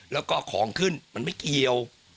แล้วก็ของขึ้นมันไม่เกี่ยว